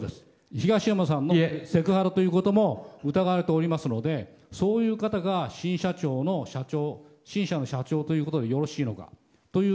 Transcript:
東山さんのセクハラということも疑われておりますのでそういう方が新社の社長ということでよろしいのか。